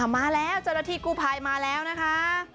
มาแล้วจนนาทีกูภายมาแล้วนะคะ